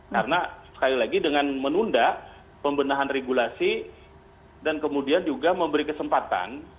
karena sekali lagi dengan menunda pembenahan regulasi dan kemudian juga memberi kesempatan